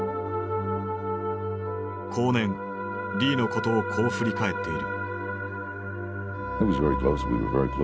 後年リーのことをこう振り返っている。